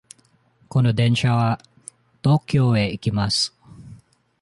この電車は東京へ行きます。